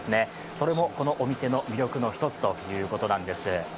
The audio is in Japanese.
それも、このお店の魅力の１つということなんです。